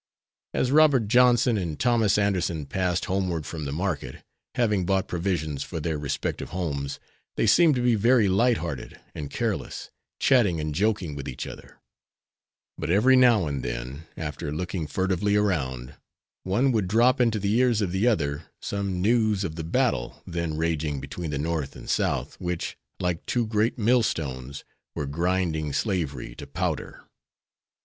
As Robert Johnson and Thomas Anderson passed homeward from the market, having bought provisions for their respective homes, they seemed to be very light hearted and careless, chatting and joking with each other; but every now and then, after looking furtively around, one would drop into the ears of the other some news of the battle then raging between the North and South which, like two great millstones, were grinding slavery to powder.